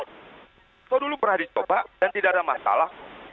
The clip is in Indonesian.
kalau dulu pernah dicoba dan tidak ada masalah